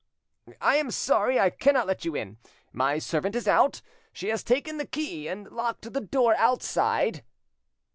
"I am sorry I cannot let you in. My servant is out: she has taken the key and locked the door outside."